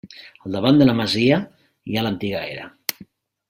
Al davant de la masia hi ha l'antiga era.